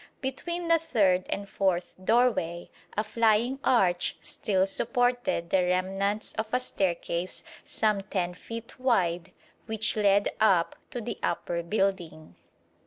Between the third and fourth doorway a flying arch still supported the remnants of a staircase some 10 feet wide which led up to the upper building.